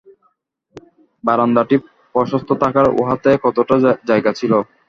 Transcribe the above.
বারান্দাটি প্রশস্ত থাকায় উহাতে কতকটা জায়গা ছিল।